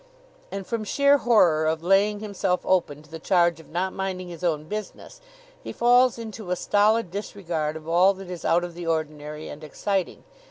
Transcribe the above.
And from sheer horror of laying himself open to the charge of not minding his own business he falls into a stolid disregard of all that is out of the ordinary and exciting.